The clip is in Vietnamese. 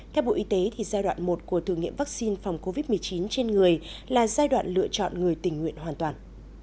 theo bộ y tế giai đoạn một của thử nghiệm vaccine phòng covid một mươi chín trên người là giai đoạn lựa chọn người tình nguyện hoàn toàn